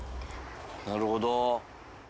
なるほど。